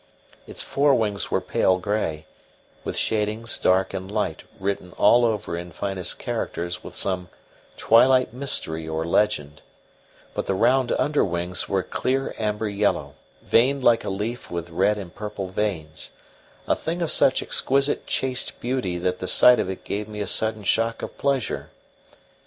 Its fore wings were pale grey, with shadings dark and light written all over in finest characters with some twilight mystery or legend; but the round under wings were clear amber yellow, veined like a leaf with red and purple veins; a thing of such exquisite chaste beauty that the sight of it gave me a sudden shock of pleasure.